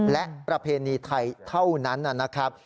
และประเพณีไทยเท่านั้นนะครับ